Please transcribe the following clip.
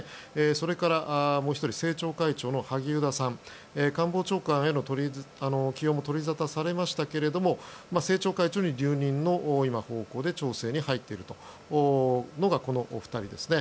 それからもう１人政調会長の萩生田さん官房長官への起用も取り沙汰されましたが政調会長に留任の今、方向で調整に入っているのがこのお二人ですね。